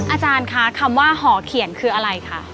อาจารย์คะคำว่าหอเขียนคืออะไรคะ